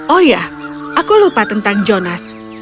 oh ya aku lupa tentang jonas